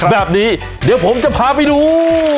แบบนี้เดี๋ยวผมจะพาไปดู